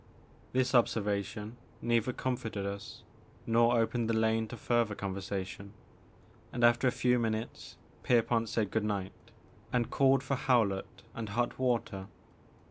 This observation neither comforted us nor opened the lane to further conversation, and after a few minutes Pierpont said good night and called for Howlett and hot water.